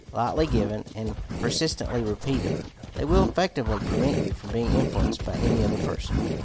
'' Lightly given and persistently repeated, they will effectually prevent you from being influenced by any other person.